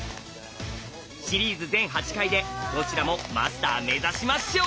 シリーズ全８回でどちらもマスター目指しましょう！